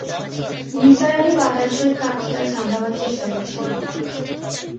নিসার আলি বাতাসের কাপ্টা সামলাবার চেষ্টা করছেন।